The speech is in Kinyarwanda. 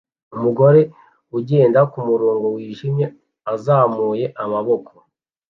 Umugore ugenda kumurongo wijimye uzamuye amaboko